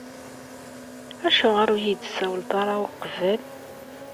Acuɣer ur iyi-d-tessawleḍ ara uqbel?